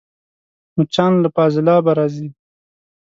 مچان له فاضلابه راځي